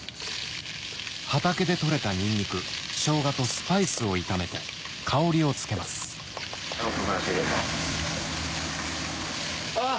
畑でとれたニンニクショウガとスパイスを炒めて香りをつけますあっ！